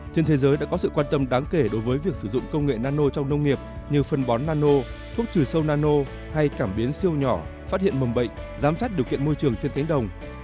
trên thế giới đã có sự quan tâm đáng kể đối với việc sử dụng công nghệ nano trong nông nghiệp như phân bón nano thuốc trừ sâu nano hay cảm biến siêu nhỏ phát hiện mầm bệnh giám sát điều kiện môi trường trên cánh đồng